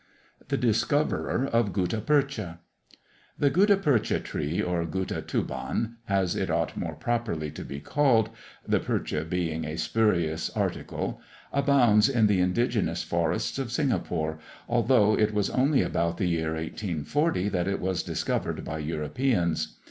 THE DISCOVERER OF GUTTA PERCHA. The Gutta Percha Tree, or Gutta Tuban, as it ought more properly to be called the Percha being a spurious article abounds in the indigenous forests of Singapore, although it was only about the year 1840 that it was discovered by Europeans.